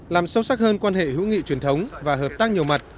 làm sâu sắc hơn quan hệ hữu nghị truyền thống và hợp tác nhiều mặt